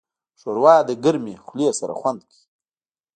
ښوروا له ګرمې خولې سره خوند کوي.